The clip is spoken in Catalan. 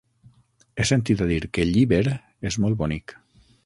He sentit a dir que Llíber és molt bonic.